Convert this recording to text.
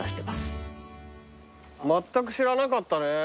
まったく知らなかったね。